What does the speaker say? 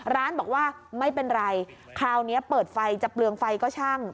ร้านบอกว่าไม่เป็นไรคราวนี้เปิดไฟจะเปลืองไฟก็ช่าง